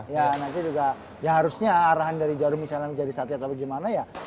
ya nanti juga ya harusnya arahan dari jarum misalnya menjadi sate atau gimana ya